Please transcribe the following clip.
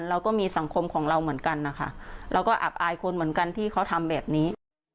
เราก็มีสังคมของเราเหมือนกันนะคะเราก็อับอายคนเหมือนกันที่เขาทำแบบนี้